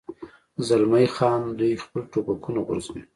زلمی خان: دوی خپل ټوپکونه غورځوي.